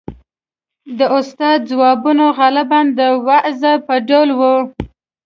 • د استاد ځوابونه غالباً د وعظ په ډول وو.